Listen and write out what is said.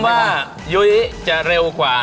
ว่ายุ้ยจะเร็วกว่า